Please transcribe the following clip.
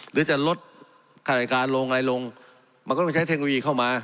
หรือจะลดขนาดการณ์ลงอะไรลงมันก็ใช้เทศเข้ามา